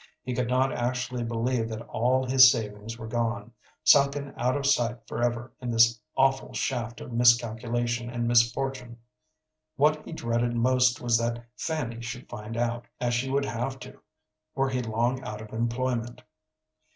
He could not actually believe that all his savings were gone, sunken out of sight forever in this awful shaft of miscalculation and misfortune. What he dreaded most was that Fanny should find out, as she would have to were he long out of employment.